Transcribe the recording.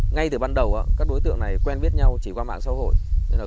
ngay từ ban đầu các đối tượng này quen biết nhau chỉ qua mạng xã hội